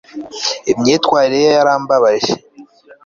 imyitwarire ye yarambabaje